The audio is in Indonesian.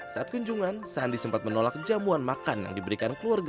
saat kunjungan sandi sempat menolak jamuan makan yang diberikan keluarga